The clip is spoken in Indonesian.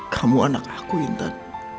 kamu anak aku intan